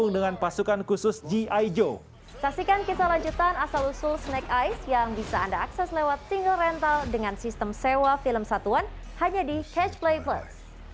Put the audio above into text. dengan sistem sewa film satuan hanya di catch play plus